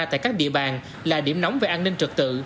tại các địa bàn là điểm nóng về an ninh trật tự